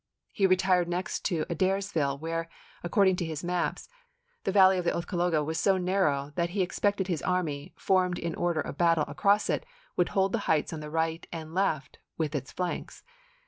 He retired next to Adairsville, where, according to his maps, the val ley of the Oothcaloga was so narrow that he ex pected his army, formed in order of battle across it, would hold the heights on the right and left with its flanks.